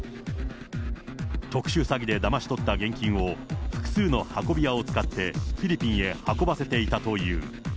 特殊詐欺でだまし取った現金を、複数の運び屋を使ってフィリピンへ運ばせていたという。